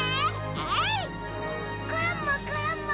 えい！